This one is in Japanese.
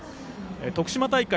徳島大会